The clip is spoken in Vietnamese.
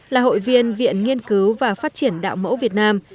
là hội viên viện nghiên cứu và phát triển đạo mẫu việt nam